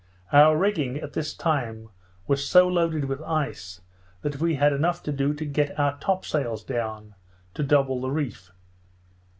Our rigging, at this time, was so loaded with ice, that we had enough to do to get our topsails down, to double the reef.